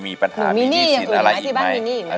มีปัญหามีหนี้สินอะไรอีกไหม